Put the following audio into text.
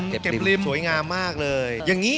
โชวยงามมากเลย